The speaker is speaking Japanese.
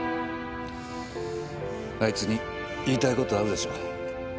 あいつに言いたい事あるでしょ。